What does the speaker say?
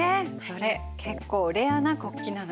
それ結構レアな国旗なのよ。